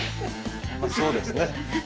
まあそうですね。